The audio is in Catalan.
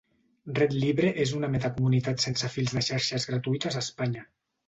RedLibre és una meta comunitat sense fils de xarxes gratuïtes a Espanya.